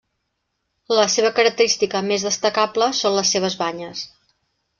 La seva característica més destacable són les seves banyes.